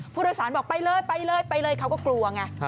ผู้โดยสารบอกไปเลยเขาก็กลัวไง